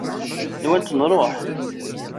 Nwant nruḥ.